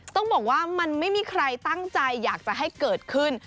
ต้องบอกว่ามันไม่มีใครตั้งใจอยากจะให้เกิดขึ้น